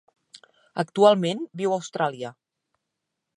Actualment viu a Austràlia.